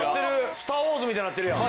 『スター・ウォーズ』みたいになっとるやん。